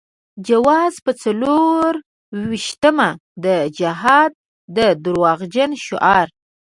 د جوزا په څلور وېشتمه د جهاد د دروغجن شعار.